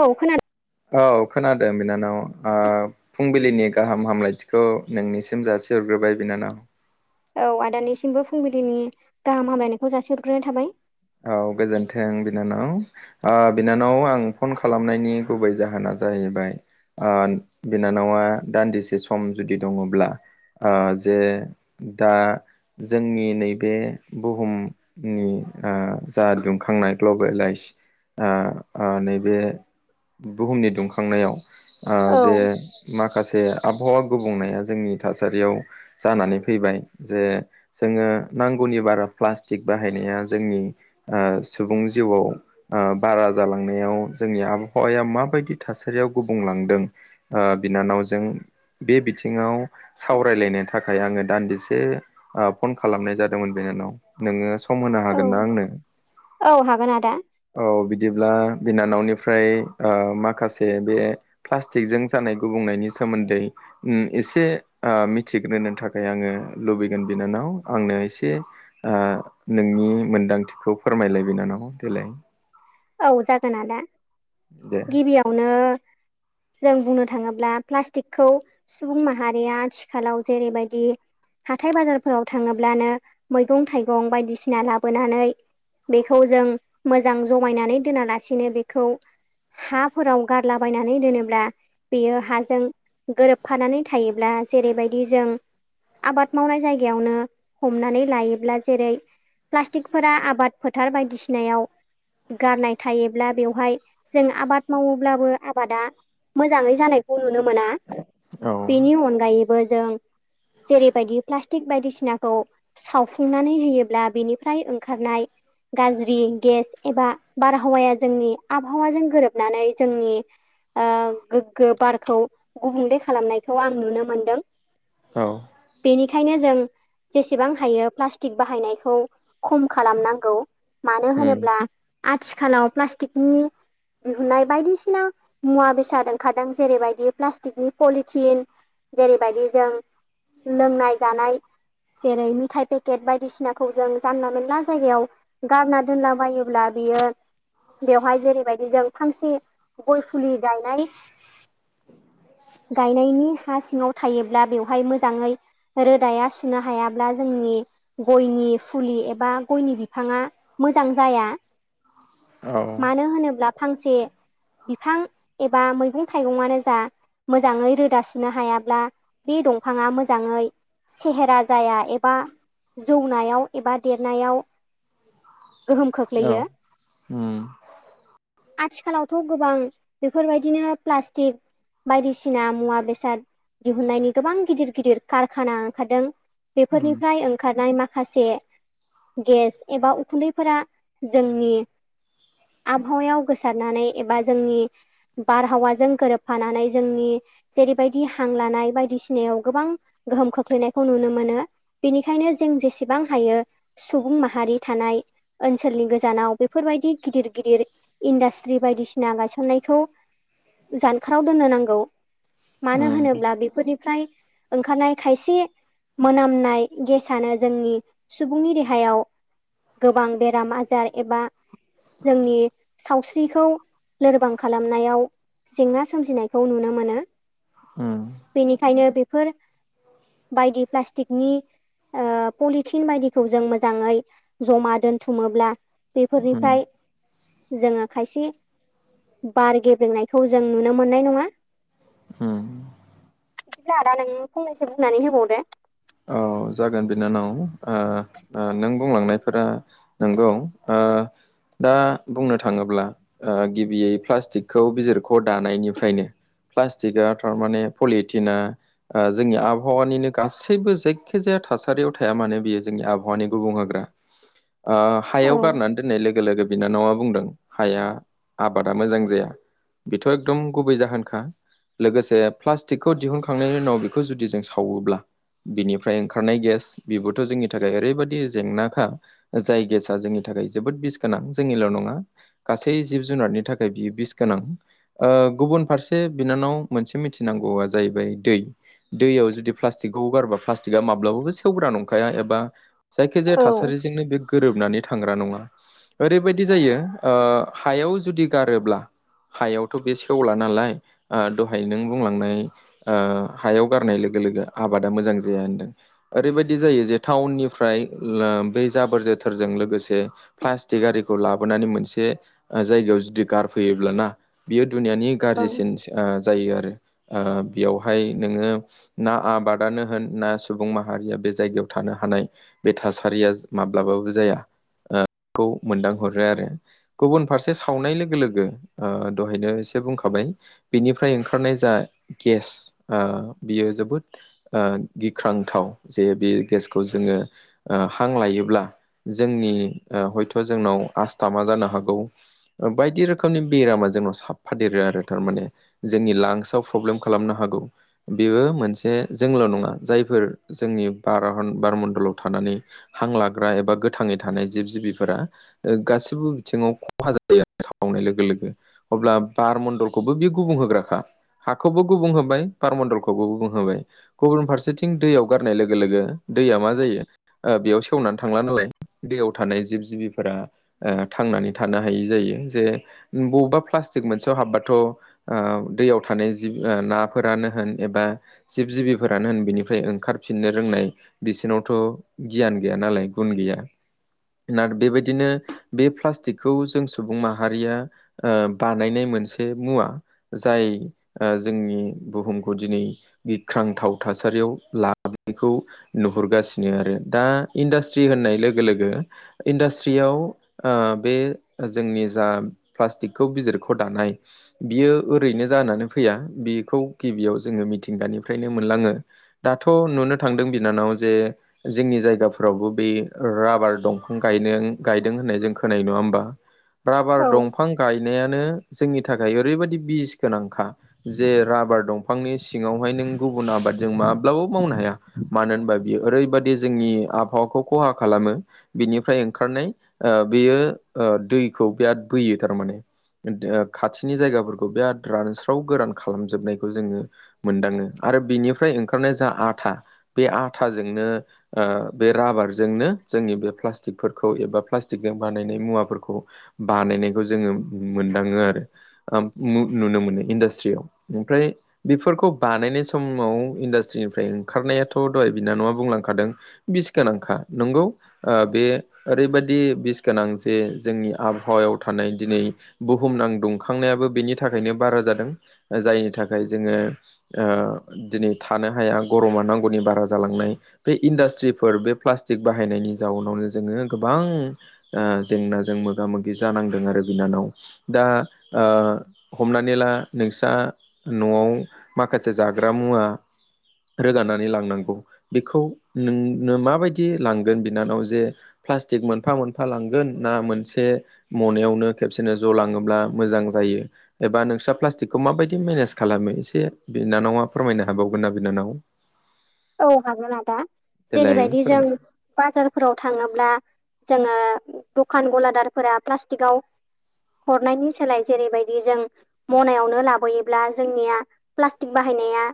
औ खोनादों औ खोनादों बिनानाव ओ फुंबिलिनि गाहाम हामलायथिखौ नोंनिसिम जासिहरग्रोबाय बिनानाव औ आदानिसिमबो फुंबिलिनि गाहाम हामलायनायखौ जासिहरग्रोनाय थाबाय औ गोजोनथों बिनानाव ओ बिनानाव आं फन खालामनायनि गुबै जाहोना जाहैबाय ओ बिनानावा दान्दिसे सम जुदि दङब्ला ओ जे दा जोंनि नैबे बुहुमनि ओ जा दुंखांनाय ग्लबेलाइस ओ ओ नैबे बुहुमनि दुंखांनायाव ओ औ जे माखासे आबहावा गुबुंनाया जोंनि थासारियाव जानानै फैबाय जे जोङो नांगौनि बारा प्लास्टिक बाहायनाया जोंनि सुबुं जिउआव ओ बारा जालांनायाव जोंनि आबहावाया माबायदि थासारियाव गुबुंलांदों ओ बिनानावजों बे बिथिङाव सावरायलायनो थाखाय आङो दानदिसे ओ फन खालामनाय जादोंमोन बिनानाव नोङो सम होनो हागोनना आंनो औ हागोन आदा औ बिदिब्ला बिनानावनिफ्राय ओ माखासे बे प्लास्टिकजों जानाय गुबुंनायनि सोमोनदै एसे ओ मिथिग्रोनो थाखाय आङो लुबैगोन बिनानाव आंनो एसे ओ नोंनि मोन्दांथिखौ फोरमायलाय बिनानाव देलाय औ जागोन आदा दे गिबियावनो जों बुंनो थाङोब्ला प्लास्टिकखौ सुबुं माहारिया आथिखालाव जेरैबायदि हाथाय बाजारफोराव थाङोब्लानो मैगं थाइगं बायदिसिना लाबोनानै बेखौ जों मोजां जमायनानै दोनालासिनो बेखौ हाफोराव गारलाबायनानै दोनोब्ला बेयो हाजों गोरोबफानानै थायोब्ला जेरैबायदि जों आबाद मावनाय जायगायावनो हमनानै लायोब्ला जेरै प्लास्टिकफोरा आबाद फोथार बायदिसिनायाव गारनाय थायोब्ला बेवहाय जों आबाद मावोब्लाबो आबादा मोजाङै जानायखौ नुनो मोना औ बेनि अनगायैबो जों जेरैबायदि प्लास्टिक बायदिसिनाखौ सावफुंनानै होयोब्ला बेनिफ्राय ओंखारनाय गाज्रि गेस एबा बारहावाया जोंनि आबहावाजों गोरोबनानै जोंनि गोग्गो बारखौ गुबुंले खालामनायखौ आं नुनो मोनदों औ बेनिखायनो जों जेसेबां हायो प्लास्टिक बाहायनायखौ खम खालामनांगौ मानो उम होनोब्ला आथिखालाव प्लास्टिकनि दिहुननाय बायदिसिना मुवा बेसाद ओंखारदों जेरैबायदि प्लास्टिकनि पलिथिन जेरैबायदि जों लोंनाय जानाय जेरै मिथाय पेकेट बायदिसिनाखौ जों जानला मोनला जायगायाव गानना दोनलाबायोब्ला बियो बेवहाय जेरैबायदि जों फांसे गय फुलि गायनाय [inaudible] गायनायनि हा सिङाव थायोब्ला बेवहाय मोजाङै रोदाया सुनो हायाब्ला जोंनि गयनि फुलि एबा गयनि बिफाङा मोजां जाया औ मानो होनोब्ला फांसे बिफां एबा मैगं थाइगंआनो जा मोजाङै रोदा सुनो हायाब्ला बे दंफाङा मोजाङै सेहेरा जाया एबा जौनायाव एबा देरनायाव गोहोम खोख्लैयो ओम आथिखालावथ' गोबां बेफोरबायदिनो प्लास्टिक बायदिसिना मुवा बेसाद दिहुननायनि गोबां गिदिर गिदिर कारखाना ओंखारदों उम बेफोरनिफ्राय ओंखारनाय माखासे गेस एबा उखुन्दैफोरा जोंनि [inaudible] आबहावायाव गोसारनानै एबा जोंनि बारहावाजों गोरोबफानानै जोंनि जेरैबायदि हां लानाय बायदिसिनायाव गोबां गोहोम खोख्लैनायखौ नुनो मोनो बेनिखायनो जों जेसेबां हायो सुबुं माहारि थानाय ओनसोलनि गोजानाव बेफोरबायदि गिदिर गिदिर इन्डास्ट्रि बायदिसिना गायसननायखौ जानखाराराव दोननो नांगौ मानो उम होनोब्ला बेफोरनिफ्राय ओंखारनाय खायसे मोनामनाय गेसनो जोंनि सुबुंनि देहायाव गोबां बेराम आजार एबा जोंनि सावस्रिखौ लोरबां खालामनायाव जेंना सोमजिनायखौ नुनो मोनो उम बेनिखायनो बेफोर बायदि प्लास्टिकनि पलिथिन बायदिखौ जों मोजाङै जमा दोनथुमोब्ला उम बेफोरनिफ्राय जोङो खायसे बार गेब्रेंनायखौ जों नुनो मोननाय नङा उम बिदिब्ला आदा नों फंनैसो बुंनानै होबावदो औ जागोन बिनानाव ओ-ओ नों बुंलांनाय फोरा नंगौ आ दा बुंनो थाङोब्ला गिबियै प्लास्टिकखौ बिजिरख दानायनिफ्रायनो प्लास्टिकआ थारमाने पलिटिना जोंनि आबहावानिनो गासैबो जे जेखिजाया थासारियाव थाया मानो बियो जोंनि आबहावानि गुबुं होग्रा हायाव औ गारनानै दोननाय लोगो लोगो बिनानावा बुंदों हाया आबादा मोजां जाया बेथ' एकदम गुबै जाहोनखा लोगोसे प्लास्टिकखौ दिहुनखांनायनि उनाव बेखौ जुदि जों सावोब्ला बिनि ओमफ्राय ओंखारनाय गेस बेबोथ' जोंनि थाखाय ओरैबायदि जेंनाखा जाय गेसाआ जोंनि थाखाय जोबोद बिस गोनां जोंनिल' नङा गासै जिब जुनारनि थाखाय बियो बिस गोनां गुबुन फारसे बिनानाव मोनसे मिथिनांगौआ जाहैबाय दै दैयाव जुदि प्लास्टिकखौगारा प्लास्टि का माब्लाबाबो सेवग्रा नंखाया एबा जायखि जाया ओं थासारिजोंनो बे गोरोबनानै थांग्रा नङा ओरैबायदि जायो हायाव जुदि गारोब्ला हायावथ' बे सेवला नालाय दहाय नों बुंलांनाय हायाव गारनाय लोगो लोगो आबादा मोजां जाया होनदों ओरैबायदि जायो जे टाउननिफ्राय बे जाबोर जोथोरजों लोगोसे प्लास्टिक आरिखौ लाबोनानै मोनसे जायगायाव जुदि गारफैयोब्लाना बियो दुनियानि गाज्रिसिन जायो आरो बेयावहाय नोङो ना आबादानो होन ना सुबुं माहारिया बे जायगायाव थानो हानाय बे थासारिया माब्लाबाबो जाया खौ मोनदांहरो आरो गुबुन फारसे सावनाय लोगो लोगो दहायनो एसे बुंखाबाय बेनिफ्राय ओंखारनाय जा गेस बियो जोबोद गिख्रांथाव जे बे गेसखौ जोङो ओ हां लायोब्ला जोंनि हयथ' जोंनाव आस्थामा जानो हागौ बायदि रोखोमनि बेरामा जोंनाव साफादेरो आरो थारमाने। जोंनि लांसआव प्रब्लेम खालामनो हागौ बेयो मोनसे जोंल' नङा जायफोर जोंनि बार बारमण्डलाव थानानै हां लाग्रा एबा गोथाङै थानाय जिब जिबिफोरा गासिबो बिथिङाव खहा जायो आरो सनाय लोगो लोगो। अब्ला बार मण्डलखौबो बे गुबुं होग्राखा। हाखौबो गुबुं होबाय बारमणडलखौबो गुबुं होबाय। गुबुन फारसेथिं दैयाव गारनाय लोगो लोगो दैया मा जायो बेयाव सेवनानै थांला नालाय दैयाव थानाय जिब जिबिफोरा ओ थांनानै थानो हायि जायो जे बबेबा प्लास्टिक मोनसेयाव हाब्बाथ' ओ दैयाव थानाय जि नाफोरानो होन एबा जिब जिबिफोरानो होन बेनिफ्राय ओंखारफिननो रोंनाय बिसोरनावथ' गियान गैया नालाय गुन गैया ना बेबायदिनो बे प्लास्टिकखौ जों सुबुं माहारिया बानायनाय मोनसे मुवा जाय जोंनि बुहुमखौ दिनै गिख्रांथाव थासारियाव लाबोनायखौ नुहुरगासिनो आरो दा इन्डास्ट्रि होननाय लोगो लोगो इन्डास्ट्रियाव ओ बे जोंनि जा प्लास्टिकखौ बिजिरखौ दानाय बियो ओरैनो जानानै फैया बेखौ गिबियाव जोङो मिथिंगानिफ्रायनो मोनलाङो। दाथ' नुनो थांदों बिनानाव जे जोंनि जायगाफोरावबो बे राबार दंफां गाय गायदों होननाय जों खोनानाय नङा होमबा राबार औ दंफां गायनायानो जोंनि थाखाय ओरैबायदि बिस गोनांखा जे राबार दंफांनि सिङावहाय नों गुबुन आबादजों माब्लाबबो मावनो हाया मानो होनबा बियो ओरैबदि जोंनि आबहावाखौ खहा खालामो। बिनिफ्राय ओंखारनाय बेयो दैखौ बिराद बोयो थारमाने खाथिनि जायगाफोरखौ बेराद रानस्राव गोरान खालामजोबनायखौ जोङो मोनदाङो आरो बिनिफ्राय ओंखारनाय जा आथा बे आथाजोंनो ओ बे राबारजोंनो जोंनि बे प्लास्टिकफोरखौ एबा प्लास्टिकजों बानायनाय मुवाफोरखौ बानायनायखौ जोङो मोनदाङो आरो। नुनो मोनो इन्डास्ट्रियाव ओमफ्राय फोरखौ बानायनाय समाव इन्डासट्रिनिफ्राय ओंखारनायाथ' दहाय बिनानावङा बुंलांखादों बिस गोनांखा नंगौ बे ओरैबायदि बिस गोनां जे जोंनि आबहावायाव थानाय दिनै बुहुमनां दुंखांनायाबो बेनि थाखायनो बारा जादों जायनि थाखाय जोङो दिनै थानो हाया गरमा नांगौनि बारा जालांनाय बे इन्डास्ट्रिफोर बे प्लास्टिक बाहायनायनि जाउनावनो जोङो गोबां जेंनाजों मोगा मोगि जानांदों आरो बिनानाव दा ओ हमनानै ला नोंस्रा न'आव माखासे जाग्रा मुवा रोगानानै लांनांगौ बेखौ नोंनो माबायदि लांगोन बिनानाव जे प्लास्टिक मोनफा मोनफा लांगोन ना मोनसे मनायावनो खेबसेनो ज' लाङोब्ला मोजां जायो। एबा नोंस्रा प्लास्टिकखौ माबायदि मेनेज खालामो एसे बिनानावा फोरमायनो हाबावगोना ना बिनानाव? औ हागोन आदा देलाय जेरैबायदि जों फोरमाय बाजारफोराव थाङोब्ला जोङो दखान गलादारफोरा प्लास्टिकाव हरनायनि सोलाय जेरैबायदि जों मनायावनो लाबोयोब्ला जोंनिया प्लास्टिक बाहायनाया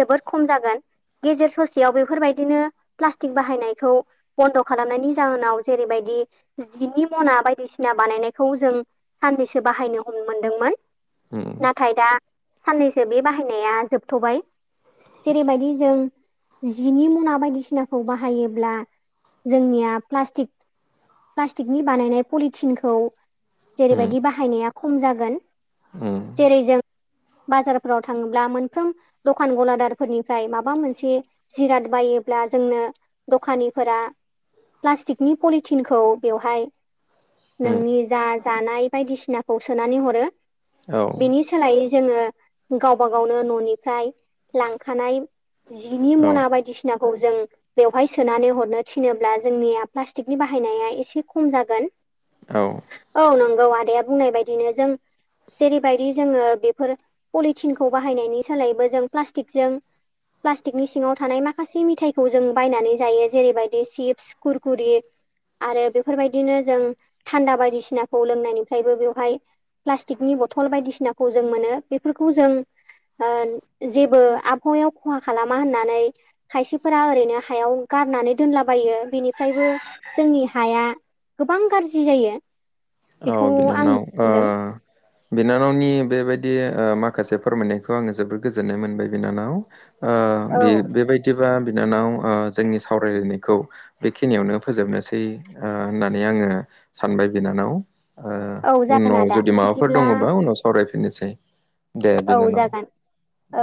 जोबोद खम जागोन। गेजेर ससेयाव बेफोरबायदिनो प्लास्टिक बाहायनायखौ बन्द' खालामनायनि जाहोनाव जेरैबायदि जिनि मना बायदिसिना बानायनायखौ जों साननैसो बाहायनो हनो मोनदोंमोन ओ नाथाय दा साननैसो बे बाहायनाया जोबथ'बाय जेरैबायदि जों जिनि मना बायदिसिनाखौ बाहायोब्ला जोंनि प्लासटिक प्लास्टिकनि बानायनाय पलिथिनखौ उम जेरैबायदि बाहायनाया खम जागोन उम जेरै जों बाजारफोराव थाङोब्ला मोनफ्रोम दखान गलादारफोरनिफ्राय मा बा मोनसे जिराद बायोब्ला जोंनो दखानिफोरा प्लास्टिकनि पलिथिनखौ बेवहाय उम नोंनि जा जानाय बायदिसिनाखौ सोनानै हरो औ बिनि सोलायै जोङो गावबा गावनो न'निफ्राय लांखानाय जिनि औ मना बायदिसिनाखौ जों बेवहाय सोनानै हरनो थिनोब्ला जोंनिया प्लास्टिकनि बाहायनाया एसे खम जागोन औ औ नंगौ आदैाया बुंनाय बायदिनो जों जेरैबायदि जोङो बेफोर पलिटिनखौ बाहायनायनि सोलायैबो जों प्लास्टिकजों प्लास्टिकनि सिङाव थानाय माखासे मिथाइखौ जों बायनानै जायो जेरैबायदि चिप्स खुरखुरि आरो बेफोरबायदिनो जों थान्दा बायदिसिनाखौ लोंनायनिफ्रायबो बेवहाय प्लास्टिकनि बथल बायदिसिनाखौ जों मोनो बेफोरखौ जों जेबो आबहावायाव खहा खालामा होननानै खायसेफोरा ओरैनो हायाव गारनानै दोनलाबायो बिनिफ्रायबो जोंनि हाया गोबां गाज्रि जायो औ बेखौ आं नुनो बिनानाव ओ मोनदों बिनानावनि बेबायदि माखासे फोरमायनायखौ आङो जोबोर गोजोननाय मोनबाय बिनानाव औ बे बेबायदिबा बिनानाव जोंनि सावरायलायनायखौ बेखिनियावनो फोजोबनोसै होननानै आङो सानबाय बिनानाव ओ औ जागोन उनाव आदा जुदि माबाफोर बिदिब्ला दङबा उनाव सावरायफिनोसै औ जागोन औ